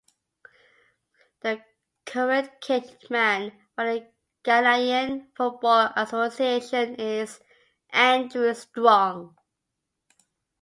The current kit man for the Ghanaian Football Association is Andrew Strong.